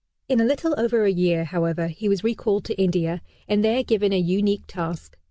In a little over a year, however, he was recalled to India, and there given a unique task.